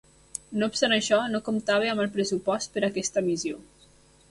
No obstant això, no comptava amb el pressupost per a aquesta missió.